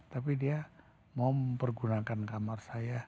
tapi dia mau mempergunakan kamar saya